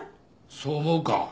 そう思うか？